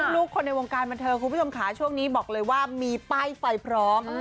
ลูกคนในวงการบันเทิงคุณผู้ชมค่ะช่วงนี้บอกเลยว่ามีป้ายไฟพร้อม